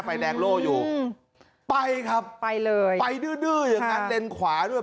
ไฟแดงโล่อยู่อืมไปครับไปเลยไปดื้อดื้ออย่างงั้นเลนขวาด้วย